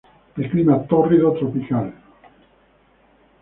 De clima tórrido tropical, Gral.